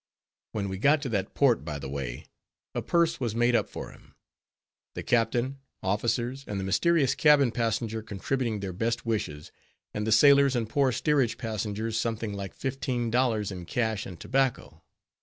When we got to that port, by the way, a purse was made up for him; the captain, officers, and the mysterious cabin passenger contributing their best wishes, and the sailors and poor steerage passengers something like fifteen dollars in cash and tobacco.